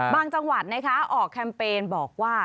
จังหวัดนะคะออกแคมเปญบอกว่า